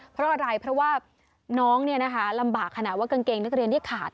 เพราะอะไรเพราะว่าน้องลำบากขนาดว่ากางเกงนักเรียนที่ขาด